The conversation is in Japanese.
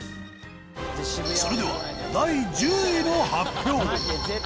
それでは、第１０位の発表